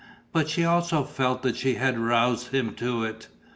But she also felt that she had roused him to it.